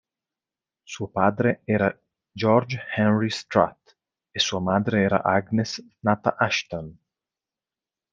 Suo padre era George Henry Strutt e sua madre era Agnes, nata Ashton.